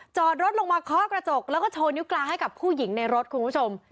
จอดรถลงมาเคาะกระจกแล้วก็โชว์นิ้วกลางให้กับผู้หญิงในรถคุณผู้ชม